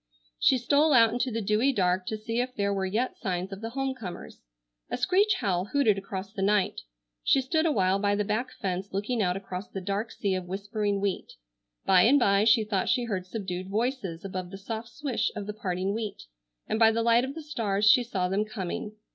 She stole out into the dewy dark to see if there were yet signs of the home comers. A screech owl hooted across the night. She stood a while by the back fence looking out across the dark sea of whispering wheat. By and by she thought she heard subdued voices above the soft swish of the parting wheat, and by the light of the stars she saw them coming.